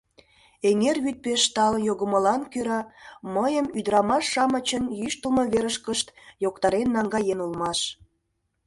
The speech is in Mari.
Эҥер вӱд пеш талын йогымылан кӧра, мыйым ӱдырамаш-шамычын йӱштылмӧ верышкышт йоктарен наҥгаен улмаш.